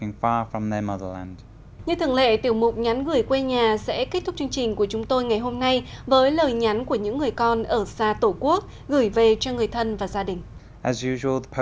như thường lệ tiểu mục nhắn gửi quê nhà sẽ kết thúc chương trình của chúng tôi ngày hôm nay với lời nhắn của những người con ở xa tổ quốc gửi về cho người thân và gia đình